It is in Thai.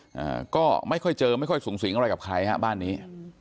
อ่าก็ไม่ค่อยเจอไม่ค่อยสูงสิงอะไรกับใครฮะบ้านนี้